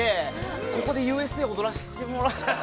ここで、ＵＳＡを踊らせてもらって。